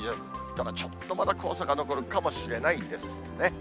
ただちょっと、まだ黄砂が残るかもしれないですね。